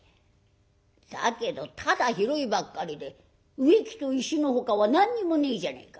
だけどただ広いばっかりで植木と石のほかは何にもねえじゃねえか。